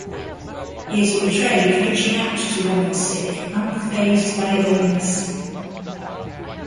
He is portrayed reaching out to one of the sick, unfazed by the illness.